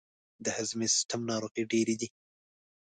د هضمي سیستم ناروغۍ ډیرې دي.